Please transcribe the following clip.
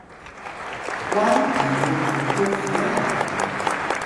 wan inu qutux hiya la?